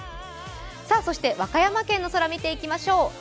そして和歌山県の空見ていきましょう。